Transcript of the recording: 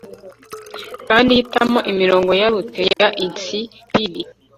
kandi hitamo imirongo ya lute ya insipid